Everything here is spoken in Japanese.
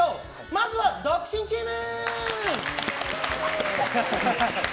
まずは独身チーム。